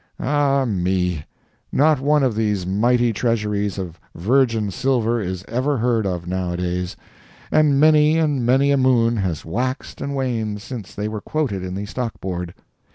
] Ah me, not one of these mighty treasuries of virgin silver is ever heard of now a days, and many and many a moon has waxed and waned since they were quoted in the stock board.